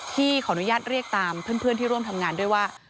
ขออนุญาตเรียกตามเพื่อนที่ร่วมทำงานด้วยว่า